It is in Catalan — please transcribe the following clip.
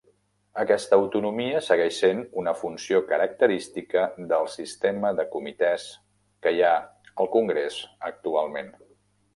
Aquesta autonomia segueix sent una funció característica del sistema de comitès que hi ha al Congrés actualment.